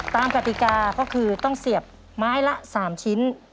กติกาก็คือต้องเสียบไม้ละ๓ชิ้น